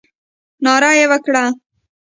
ناره یې وکړه.